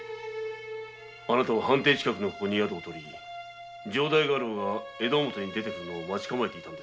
あなたは藩邸近くのここに宿をとり城代家老が江戸表に出て来るのを待ちかまえていたのですね。